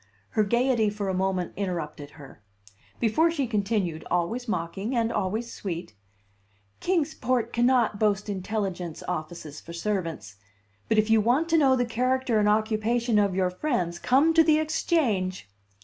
Her gayety for a moment interrupted her, before she continued, always mocking and always sweet: "Kings Port cannot boast intelligence offices for servants; but if you want to know the character and occupation of your friends, come to the Exchange!"